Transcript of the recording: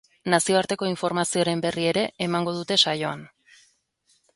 Nazioarteko informazioaren berri ere emango dute saioan.